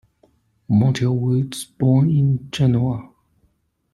Montale was born in Genoa.